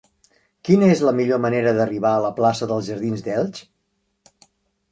Quina és la millor manera d'arribar a la plaça dels Jardins d'Elx?